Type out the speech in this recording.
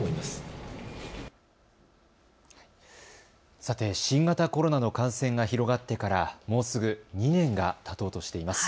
さて新型コロナの感染が広がってからもうすぐ２年がたとうとしています。